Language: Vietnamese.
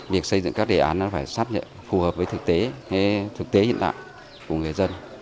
việc xây dựng các đề án nó phải sắp nhập phù hợp với thực tế hiện đại của người dân